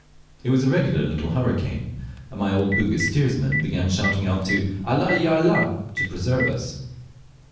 It was a regular little hurricane, and my old Bugis steersman began shouting out to "Allah! il Allah!" to preserve us.